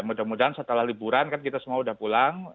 mudah mudahan setelah liburan kan kita semua sudah pulang